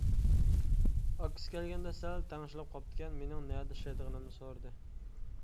ئاكىسى كەلگەندە سەل تەڭشىلىپ قاپتىكەن، مېنىڭ نەدە ئىشلەيدىغىنىمنى سورىدى.